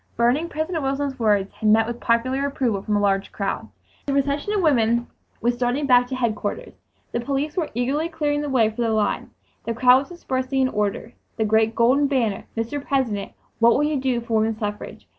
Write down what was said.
Burning President Wilson's words had met with popular approval from a large crowd! The procession of women was starting back to headquarters, the police were eagerly clearing the way for the line; the crowd was dispersing in order; the great golden banner, "Mr. President, what will you do for woman suffrage?"